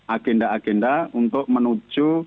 agenda agenda untuk menuju